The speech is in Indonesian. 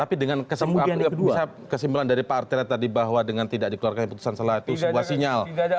tapi dengan kesimpulan dari pak arteria tadi bahwa dengan tidak dikeluarkan keputusan salah itu sebuah sinyal